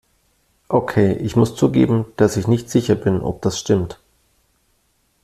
Okay, ich muss zugeben, dass ich nicht sicher bin, ob das stimmt.